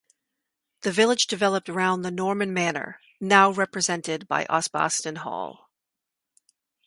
The village developed round the Norman manor now represented by Osbaston Hall.